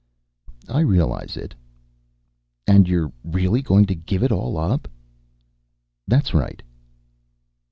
"I realize it." "And you're really going to give it all up?" "That's right."